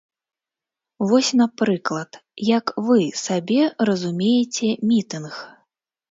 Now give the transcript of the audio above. Вось, напрыклад, як вы сабе разумееце мітынг?